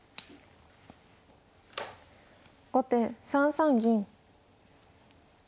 後手３三銀。